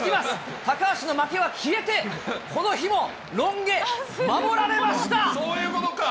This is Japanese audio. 高橋の負けは消えて、この日もロン毛守られそういうことか！